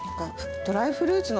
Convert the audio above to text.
ドライフルーツの。